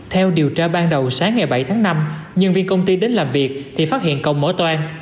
theo điều tra ban đầu sáng ngày bảy tháng năm nhân viên công ty đến làm việc thì phát hiện cầu mở toan